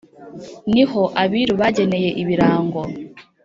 niho abiru bageneye ibirango